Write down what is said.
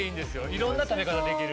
いろんな食べ方できる。